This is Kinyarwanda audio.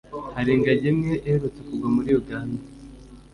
Hari ingagi imwe iherutse kugwa muri y’uganda